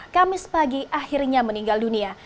kamis pagi akhirnya meninggal dunia